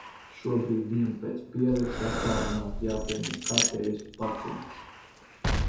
Šobrīd viņam pēc pieraksta attālināti jāpieņem kārtējais pacients...